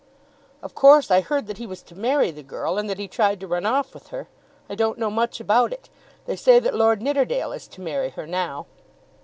"Of course I heard that he was to marry the girl, and that he tried to run off with her. I don't know much about it. They say that Lord Nidderdale is to marry her now."